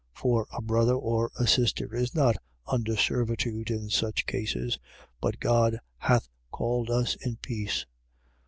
For a brother or sister is not under servitude in such cases. But God hath called us in peace.